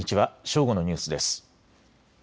正午のニュースです。